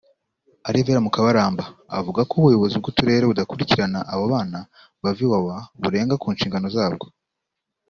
Alvera Mukabaramba avuga ko ubuyobozi bw’uturere budakurikirana abo bana bava Iwawa burenga ku nshingano zabwo